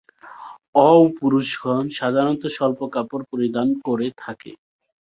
অও পুরুষগণ সাধারণত স্বল্প কাপড় পরিধান করে থাকে।